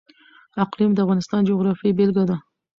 اقلیم د افغانستان د جغرافیې بېلګه ده.